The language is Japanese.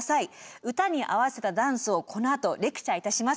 歌に合わせたダンスをこのあとレクチャーいたします。